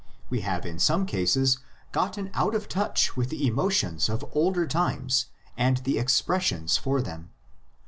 We have in some cases got ten out of touch with the emotions of older times and the expressions for them.